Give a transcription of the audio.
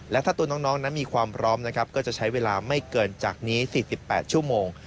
และถ้าตัวน้องนั้นมีความพร้อมนะครับก็จะใช้เวลาไม่เกินจากนี้๔๘ชั่วโมง